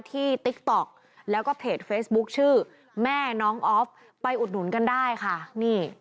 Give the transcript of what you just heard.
ติ๊กต๊อกแล้วก็เพจเฟซบุ๊คชื่อแม่น้องออฟไปอุดหนุนกันได้ค่ะนี่